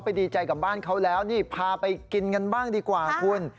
ดีใจกับบ้านเขาแล้วนี่พาไปกินกันบ้างดีกว่าคุณ